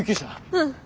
うん。